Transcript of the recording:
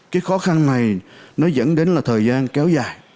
cái khó khăn này nó dẫn đến là thời gian kéo dài